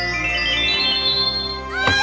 ああ！